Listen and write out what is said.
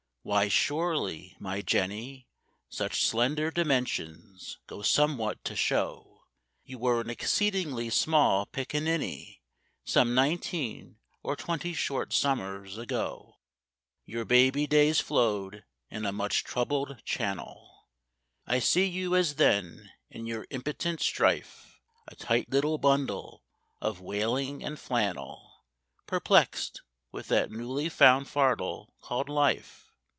Why surely, my Jenny, Such slender dimensions go somewhat to show You were an exceedingly small pic a ninny Some nineteen or twenty short summers ago. Your baby days flow'd in a much troubled channel; I see you as then in your impotent strife,— A tight little bundle of wailing and flannel, Perplex'd with that newly found fardel called life.